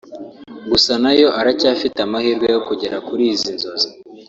gusa nayo aracyafite amahirwe yo kugera kuri izi nzozi